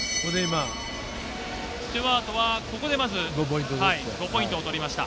スチュワートは、ここでまず５ポイント取りました。